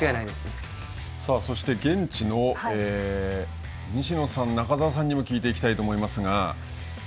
そして、現地の西野さん、中澤さんにも聞いていきたいと思います。